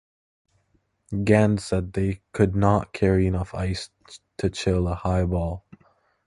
Gann said they "could not carry enough ice to chill a highball".